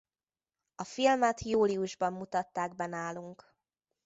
A filmet júliusban mutatták be nálunk.